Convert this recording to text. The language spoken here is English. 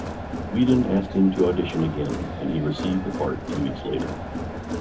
Whedon asked him to audition again, and he received the part two weeks later.